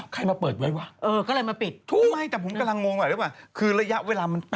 คนปิดคนนึงอีกคนนึง